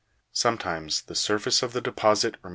Sometimes the surface of the deposit remains 42.